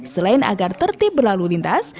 selain agar tertib berlalu lintas